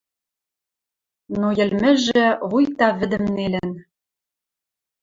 Но йӹлмӹжӹ — вуйта вӹдӹм нелӹн.